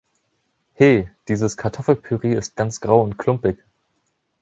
He! Dieses Kartoffelpüree ist ganz grau und klumpig!